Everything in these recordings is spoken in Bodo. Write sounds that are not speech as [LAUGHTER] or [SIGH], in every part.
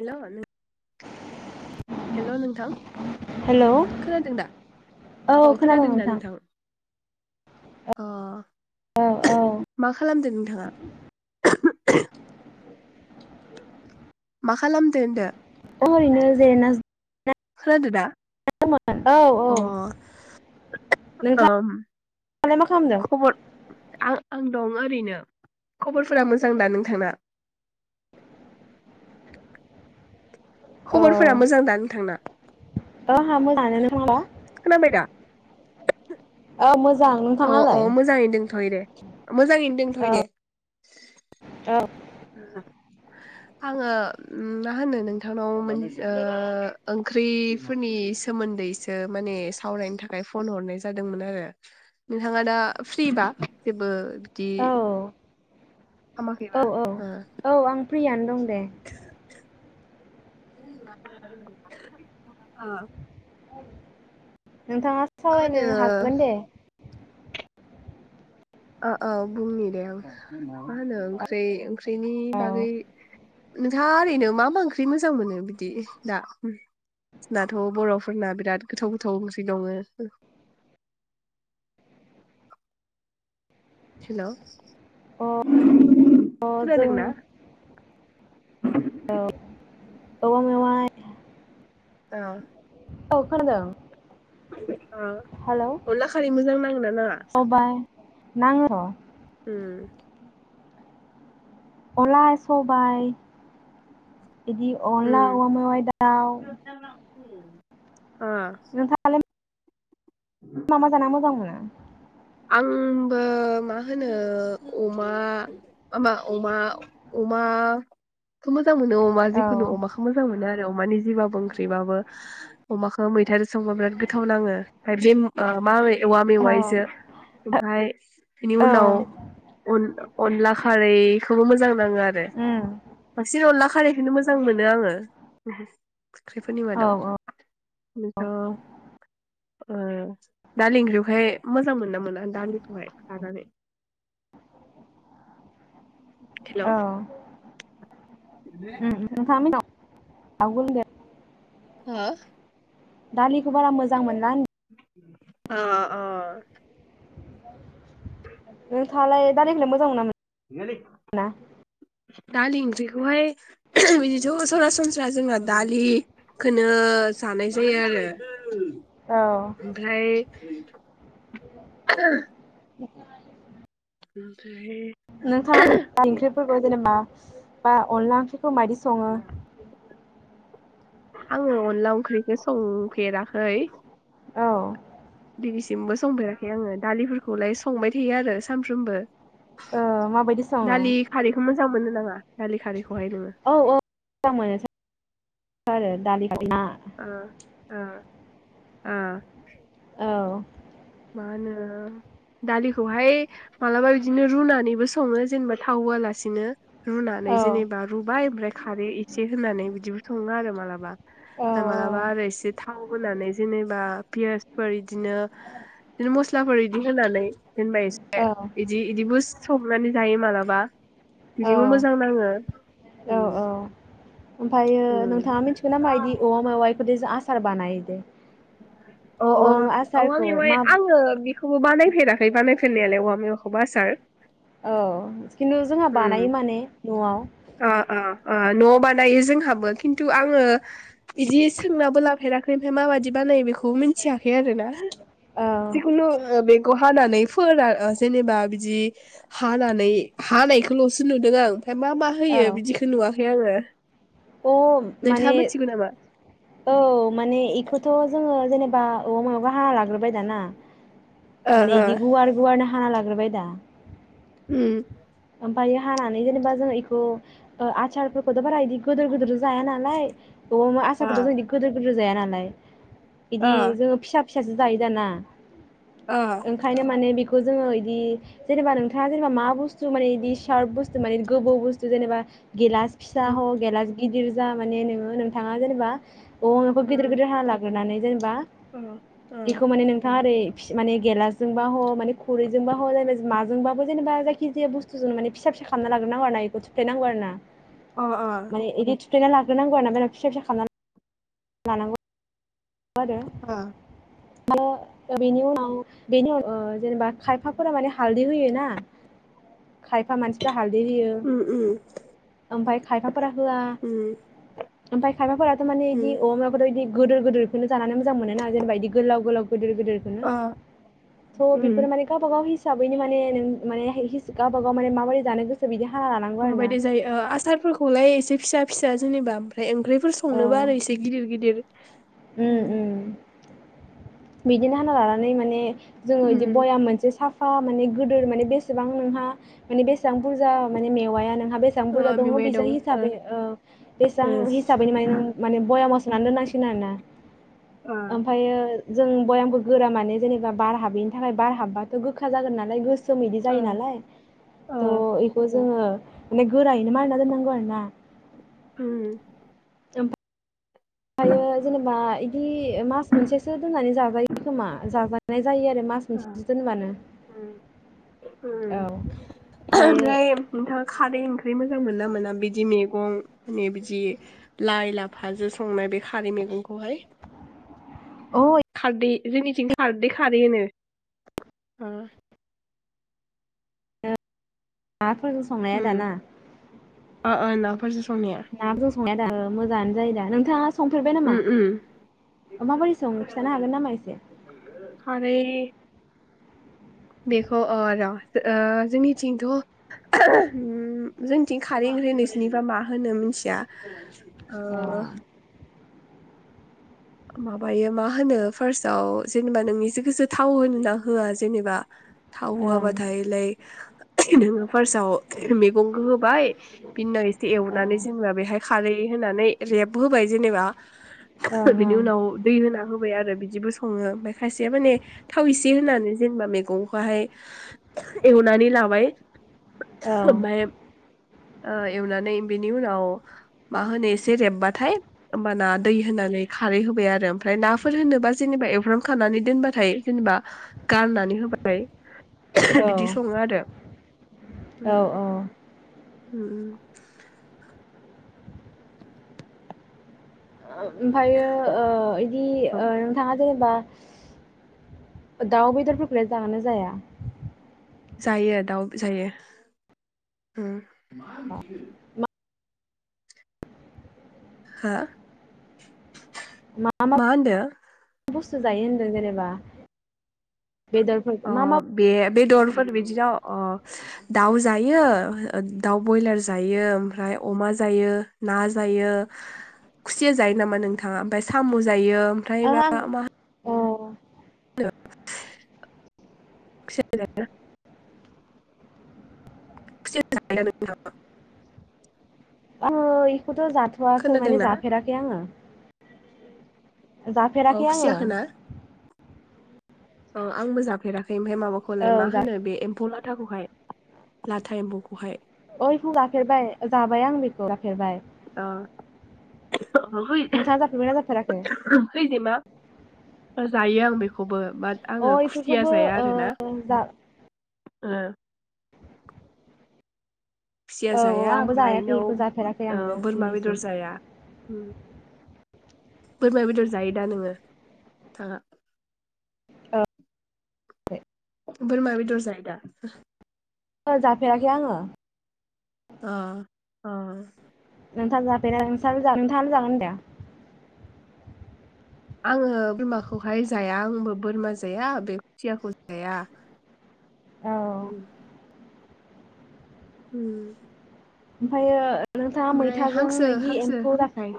हेल नों हेल नोंथां हेलौ खोनादों दा अ खोनादों दा नोंथां अ औ औ मा खालामदों नों थाङा? मा खालामदो होनदो? अ ओरैनो जिरायना खोनादो दा? मोन औ औ अ ओम नोंथाङालाय मा खालामदों? खबर आं आं दं ओरैनो, खबरफोरा मोजां दा नोंथांना? औ खबरफोरा मोजां दा नोंथांना? अ हा मोजाङानो नोंथाङा ना? खोनाबाय दा औ मोज अ अ मोजाङैनो दोंथयो दे मोजाङैनो दोंथयो औ दे। [INAUDIBLE] औ। आङो मा होनो नोंथांनाव ओ ओंख्रिफोरनि सोमोन्दैसो माने सावरायनो थाखाय फन हरनाय जादोंमोन आरो नोंथाङा दा फ्रिबा जेबो औ दि हामाखैबा प्रियानो दं। दे। [UNINTELLIGIBLE] अ नोंथाङा सावरायनो हागोन दे। ओ ओ बुंनि दे आं मा होनो? ओंख्रै ओंख्रिनि औ बागै नोंथाङा ओरैनो नो मा मा ओंख्रि मोजां मोनो बिदि दा दाथ बरफोरना बिराद गोथाव गोथाव ओंख्रि दङ। हेल अ अ जों खोनादोंना [INAUDIBLE] औवा मेवाय ओ। औ खोनादों। हा हेलौ अनला खारै मोजां नाङोना नाङा? सबाय नाङो। उम अनला सबाय बिदि अला उम औवा मेवाइ दाउ ओ नोंथाङालाय मा मा जाना मोजां मोनो? आंबो मा होनो अमा मा अमा अमा खौ मोजां मोनो अमा औ जिखुनु अमाखौ मोजां मोनो आरो। अमानि जिबाबो ओंख्रिबाबो अमाखौ मैथाजों संबा बिराद गोथाव नाङो ओमफ्राय ओ मा बे मावै औवा औ मेवाइजो ओमफाय बिनि औ उनाव अन-अनला खारैखौबो मोजां नाङो आरो। उम बांसिन अनला खारैखौनो मोजां मोनो आङो। ओंख्रिफोरनि औ मादाव। नोंथ' ओ दालि ओंख्रिखौहाय मोजां मोनो ना मोना? आं दालिखौहाय जानानै औ। [UNINTELLIGIBLE] आवगोल दे। हो? दालिखो बारा मोजां मोनला अ अ नोंथाङालाय दालिखोलाय मोजां मोना मोना? दालि ओंख्रिखौहाय बिदिथ' सरासनस्रा जोंना दालिखोनो जानाय जायो आरो औ ओमफ्राय [UNINTELLIGIBLE] [INAUDIBLE] उम नोंथाङा [UNINTELLIGIBLE] ओंख्रिफोरखौ जेनेबा बा अनला ओंख्रि खो मायदि सङो? आङो अनला अंख्रिखो संफेराखै औ। दिनिसिमबो संफेराखै आङो दालिफोरखौलाय संबाय थायो आरो सानफ्रोमबो। ओ माबायदि सङो? जां मोनो नामा? दालि खारिखौहाय नोङो। औ औ मोजां मोनो आरो दालि [UNINTELLIGIBLE] अ औ मा होनो दालिखौहाय मालाबा बिदिनो रुनानैबो सङो जेनेबा थाव होआलासिनो। रुनानै औ जेनेबा रुबाय ओमफ्राय खारै इसे होनानै बिदिबो सङो आरो मालाबा। औ मालाबा आरो एसे थाव होनानै जेनेबा पियासफोर इदिनो बिदिनो मस्लाफोर इदि होनानै दोनबाय एसे औ इदि-इदिबो सं माने जायो मालाबा। औ बिदिबो मोजां नाङो ओ। ओमफ्राययो नोंथाङा मिथिगो नामा इदि औवा मेवाइखौदि आसार बानायो दे। अ अ औवा मा औवा आसारखौ मेवाइ मा आङो बेखौबो बानायफेराखै बानायफ फेरनायालाय औवा मेवाखोबो आसार औ खिन्थु जोंहा उम बानायो माने न'आव अ न'आव बानायो जोंहाबो खिन्थु आङो इदि सोंनाबो लाफेराखै ओमफ्राय माबाददि बानायो बेख बेखौ मिथियाखै आरो ना औ जिखुनु ओ बे खौ हानानै फोरान ओ जेनेबा बिदि हानानै हानायखौल'सो नुदों आं ओमफ्राय मा मा होयो बिदिखौ नुवाखै खै आङो अ माने नोंथाङा मिथिगौ नामा औ माने एखौथ' जोङो जेनेबा औरा मेउआ हा लाग्रोबाय दाना ओ माने ओ बिदि गुवार गुवारनो हाना लाग्रोबाय दा उम ओमफ्रायायो हानानै जेनेबा जों इखौ आचारफोरखौथ' बारा इदि गिदोर गिदोर' जाया नालाय औवा मेउआ ओ आससाखौथ' जों इदि गिदोर गिदोर जाया नालाय बिदि ओ जोङो फिसा फिसासो जायो दाना ओ ओंखायनो माने बेखौ बेखौ जोङो इदि जेनेबा नोंथाङा जेनबा मा बुस तु माने इदि सारब बस्तु माने गबौ बस्थु जेनबा गेलास फिसा उम ह गेलस गिदिर जा माने नोङो नोंथाङा जेनेबा औवा मेउआखौ गिदिर उम गिदिर हाना लाग्रोननानै जेनेबा ओ बेखौ माने नोंथाङा ओरै माने गेलास जोंबा ह माने खुरैजोंबा [UNINTELLIGIBLE] जोंबाबो जेनबा जाय जायखि जाया बसथुजोंनो फिसा फिसा खालामना लाग्रोनांगौ आरो ना बेखौ थुफ्लेनांगौ आरोना। अ अ। थुफ्लेना लाग्रोनांगौ आरो ना फिसा फिसा खालामना लानांगौ आरो। माने अ ओ आरोनो आं बेनि उनाव जेनेबा खायफाफोरा माने हालदै होयो ना खायफा मानसिफ्रा हालदै होयो उम उम ओमफाय खायफाफोरा होआ उम ओमफाय खायफाफोराथ' माने उम इदि बेबायदि गोदोर गोदोरखौनो जानानै मोजां मोनो ना जेनेबा इदि गोलाव गोलाव गोदोर गोदोरखोनो ओ थ उम बेफोर माने गावब गावनि हिसाबैनो माने नों माने हिस गाबागावमाने माबोरै जानो गोसो बिदि हाना लानांगौ आरो ना माबायदि जायो ओ आसारफोरखौलाय एसे फिसा फिसा जेनेबा ओमफ्राय ओं ओंख्रिफोर औ संनोबा आरो इसे गिदिर गिदिर उम। बिदिनो हाना लानानै माने जोङो इदि बयाम मोनसे साफ फा माने गोदोर माने बेसेबां नोंहा माने बेसे सां बुरजा माने मेवाया नोंहा बेसेबां बुरजा ओ दंअ' मेवाइ दं बेसां हिसाबै ओ बेसां ओ हिसाबैनो माने माने बएमयाव सोना दोनांसिगोन आरो ना। ओमफायो जों भयामखौ गोरा माने जेनेबा बार हाबैनि थाखाय बार हाबाथ' गोखा जागोन नालाय गो सोमैदि ओ जायो नालाय ओ थ इ'खौ जोङो माने गोरायैनो मारिना दोननांगौ आरो ना। उम हायो जेनेबा इदि मास मोनसेसो दोननानै जाजायो खोमा जाजा ओ उम उम औ ओमफ्रायो ओमफ्राय नोंथाङा खारै ओंख्रि मोन मोजां मोना मोना बिदि मैगं मे बिदि लाइ लाफाजों संनाय बे खारै मैगंखौहाय? अ खारदि जोंनिथिं खारदै खारै होनो आ नाफोरजों संनाया उम दाना ओ [UNINTELLIGIBLE] नाब्रो संनाय दा मोजाङानो जायोदा नोंथाङा संफेरबाय उ नामा उ माबोरै सङो खिन्थानो हागोन नामा एसे [INAUDIBLE] खारै बेखौ ओ र' ओ जोंनिथिंथ' उ जोंनिथिं खारै होनो नोंसिनिबा मा होनो मिथिया ओ अ माबायो मा होनो फार्स्टआव जोंना नोंनिसो गोसो थाव होन ना होआ जेनेबा थाव होआबाथायलायक नोङो फार्स्टआव मैगंखौ होबाय बिनिनाव एसे ओं एवनानै जेनेबा बेहाय खारै होनानै रेब होबाय जेनेबा थोर ओं बिनि ओं उनाव दै होना होबाय आरो बिदिबो सङो ओमाय खायसेया माने थाव इसे होनानै जेनेबा मैगंखौहाय एवनानै लाबाय औ ओमबाय ओ एवनानै बेनि उनाव मा होनो एसे रेब्बाथाय होमबाना दै होनानै खारै होबाय आरो ओमफ्राय नाफोर होनोबा जेनेबा एवफ्राम खानानै दोनबाथाय जेनेबा गारनानै होबाथाय बिदि औ सङो आरो औ औ उ उ [INAUDIBLE] ओमफायो ओ इदि उम। ओ नोंथाङा जेनेबा बा दाउ बेदरफोरखौल जागोनना जाया? जायो दाउ जायो ओम हो मा होनदो? [UNINTELLIGIBLE] जायो होनदों जेनेबा बेदरफोर अ मा मा बे बेदरफोर बिदिनाव अ दाउ जायो दाउ बयलार जायो ओमफ्राय अमा जायो ना जायो खुसिया जायो नामा नोंथाङा ओमफाय साम जायो ओमफ्राय मा [UNINTELLIGIBLE] [UNINTELLIGIBLE] [UNINTELLIGIBLE] [UNINTELLIGIBLE] [UNINTELLIGIBLE] [UNINTELLIGIBLE] खौथ जाथवाखै माने खोनादोंना जाफेराखै आङो अ जाफेराखै आङो खुसियाखोना अ आंबो जाफेराखै ओमफाय औ माबाखौलाय मा जा होनो बे एम्फौ लाथ थाखौहाय लाथा एम्फौखौहाय अ इखौ जाफेरबाय जाबाय आं बेखौ जाफेरबाय अ [INAUDIBLE] नोंथाङा जाफेरबायना जाफेराखै? खोजेमा जायो ओ आं बेखौबो बाट अ आङो खुसिया इफोरखौबो जाया आरोना ओ जा ओ खुसिया औ औ जाया आंबो ओमफ्राय जायाखै इनाव इखौ जाफेराखै ओ आंबो बोरमा बेदर दिनैसिम जाया। ओम बोरमा बेदर जायो दा नोङो थाङा? बोरमा बेदर जायोदा? जाफेराखै आङो। अ अ नोंथाङा जाफेरा नोंसा जा नोंथाङालाय जागोना जाया? आङो बोरमाखौहाय जाया आंबो बोरमा जाया बे खुथियाखौ जाया। औ उम उम ओमफायो नोंथाङा ओमफ्राय मैथाजों हांसो इदि हांसो एम्फौ जा जाय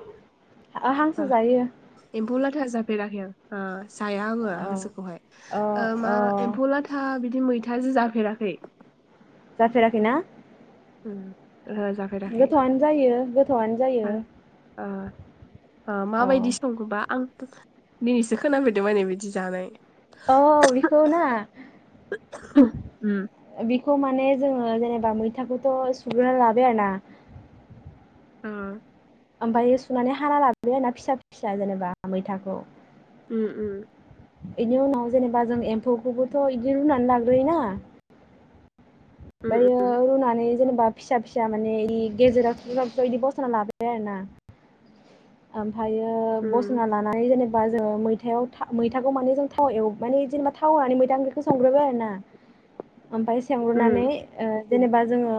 ओ हांसो जायो। था जाफेराखै आं। जाया आङो अ हांसोखौहाय अ ओ मा अ एम्फौ लाथा बिदि मै थाजों जाफेराखै। जाफेराखैना? उम ओहो जाफेराखै गोथावानो जायो। गोथावआनो जायो ओ औ माबायदि संगौबा आं दिनैसो खोनाफेरदों माने बिदि जानाय। अ बिखौ ना उम बि खौ माने जोङो जेनेबा मैथाखौथ' सुग्रोना लाबाय आरोना ओ ओमफायो सुनानै हाना लाबोबाय आरोना फिसा फिसा जेनेबा मैथाखौ। उम उम बेनि उनाव जेनेबा जों एम्फौखौबोथ' इदि रुनानै लाग्रोयोना? ओमफायो रुनानै जेनेबा फिसा फिसा माने इ गेजेराव थबस्र' थबस्र' इदि बस'ना लाग्रोबाय आरो ना। ओम फायो बसना उम लानानै जेनेबा होमबाजो मैथायाव मैथाखौ माने जों थाव होनानै मैथा ओंख्रिखौ संग्रोबाय आरो ना। ओमफाय उम संग्रोनानै ओ जेनेबा जोङो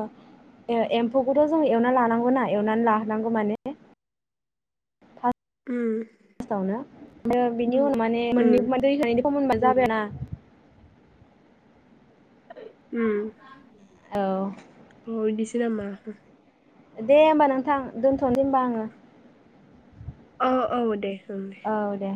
एम्फौखौथ' जों एवना लानांगौना एवनानै लानांगौ माने उम फास आवनो उम [UNINTELLIGIBLE] खम मोनबा जाबायना उम औ अ बेदिसो [UNINTELLIGIBLE] दे होमबा नोंथां दोनथ'नोसै होमबा आङो औ औ दे ओं दे औ दे